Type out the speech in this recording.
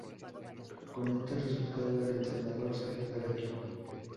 Con este resultado, el entrenador salió del equipo.